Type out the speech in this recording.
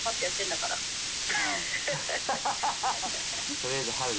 取りあえず春ね。